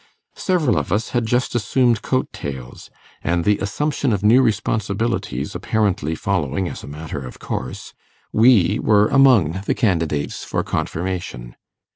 Several of us had just assumed coat tails, and the assumption of new responsibilities apparently following as a matter of course, we were among the candidates for confirmation.